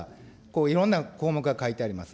いろんな項目が書いてあります。